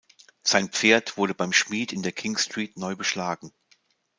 Sein Pferd wurde beim Schmied in der King Street neu beschlagen.